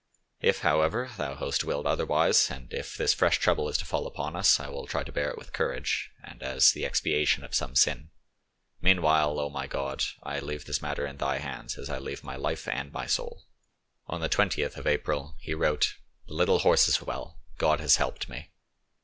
If, however, Thou host willed otherwise, and if this fresh trouble is to fall upon us, I will try to bear it with courage, and as the expiation of same sin. Meanwhile, O my Gad, I leave this matter in Thy hands, as I leave my life and my soul." On the 20th of April he wrote:—"The little horse is well; God has helped me."